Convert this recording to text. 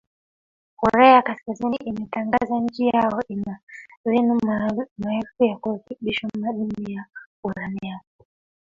korea kaskazini imetangaza nchi yao ina vinu maelfu ya kurutubisha madini ya uranium